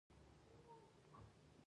لینین په زر نه سوه څلرویشت کال کې مړ شو